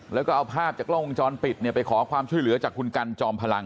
แล้วก็เอาภาพจากกล้องวงจรปิดไปขอความช่วยเหลือจากคุณกันจอมพลัง